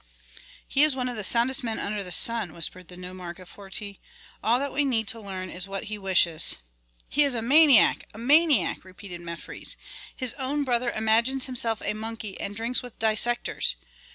"He is one of the soundest men under the sun," whispered the nomarch of Horti. "All that we need is to learn what he wishes." "He is a maniac! a maniac!" repeated Mefres. "His own brother imagines himself a monkey, and drinks with dissectors.